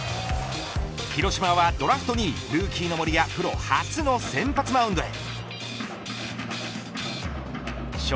広島はドラフト２位ルーキーの森がプロ初の先発マウンドへ。